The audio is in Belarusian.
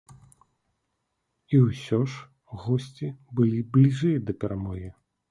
І ўсё ж госці былі бліжэй да перамогі.